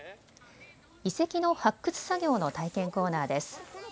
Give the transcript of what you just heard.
遺跡の発掘作業の体験コーナーです。